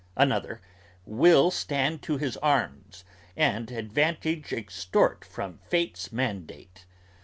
Another Will stand to his arms and advantage extort from Fate's mandate.